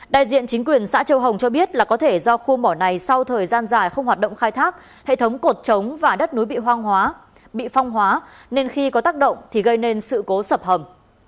động khai thác hệ thống cột trống và đất núi bị phong hóa nên khi có tác động thì gây nên sự cố sập hầm